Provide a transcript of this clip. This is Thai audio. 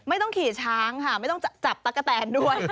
ไม่ต้องขี่ช้างค่ะไม่ต้องจับตั๊กกะแตนด้วย